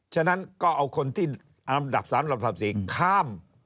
ฉะนั้นก็เอาคนที่อันดับ๓ระดับ๔ข้าม